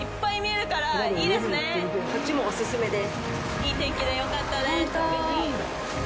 いい天気でよかったです。